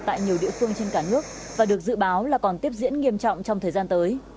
tại nhiều địa phương trên cả nước và được dự báo là còn tiếp diễn nghiêm trọng trong thời gian tới